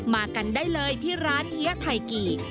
มากันได้เลยที่ร้านเฮียไทยกี่